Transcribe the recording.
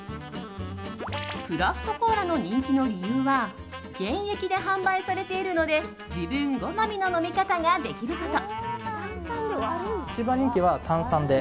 クラフトコーラの人気の理由は原液で販売されているので自分好みの飲み方ができること。